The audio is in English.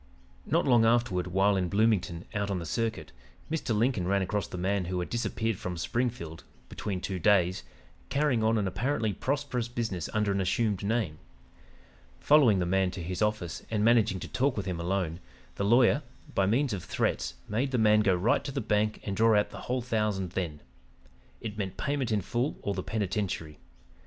"Not long afterward, while in Bloomington, out on the circuit, Mr. Lincoln ran across the man who had disappeared from Springfield 'between two days,' carrying on an apparently prosperous business under an assumed name. Following the man to his office and managing to talk with him alone, the lawyer, by means of threats, made the man go right to the bank and draw out the whole thousand then. It meant payment in full or the penitentiary.